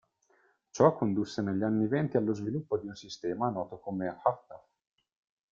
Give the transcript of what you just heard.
Ciò condusse negli anni venti allo sviluppo di un sistema noto come "huff-duff".